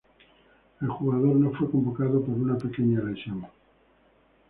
El jugador no fue convocado por una pequeña lesión.